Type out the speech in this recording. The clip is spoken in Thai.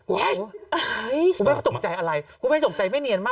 คุณแม่คุณแม่ก็ตกใจอะไรคุณแม่ตกใจแม่เนียนมาก